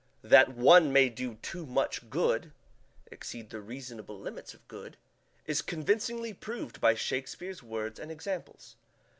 That one may do too much good (exceed the reasonable limits of good) is convincingly proved by Shakespeare's words and examples.